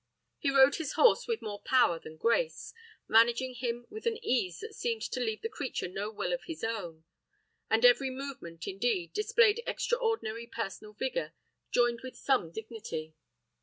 He rode his horse with more power than grace, managing him with an ease that seemed to leave the creature no will of his own, and every movement, indeed, displayed extraordinary personal vigor, joined with some dignity.